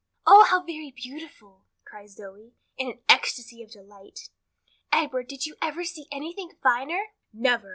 "Oh, how very beautiful!" cries Zoe, in an ecstasy of delight. "Edward, did you ever see anything finer?" "Never!